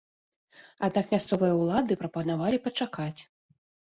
Аднак мясцовыя ўлады прапанавалі пачакаць.